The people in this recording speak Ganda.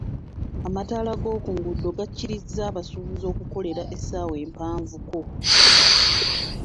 Amataala g'oku nguudo gakkiriza abasuubuzu okukolera essawa empavuko.